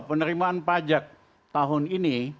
penerimaan pajak tahun ini